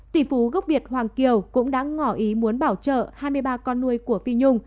tỷ phú gốc việt hoàng kiều cũng đã ngỏ ý muốn bảo trợ hai mươi ba con nuôi của phi nhung